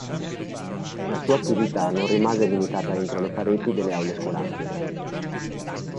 La sua attività non rimase limitata entro le pareti delle aule scolastiche.